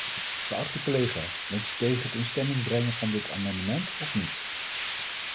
Geachte collega, bent u tegen het in stemming brengen van dit amendement of niet?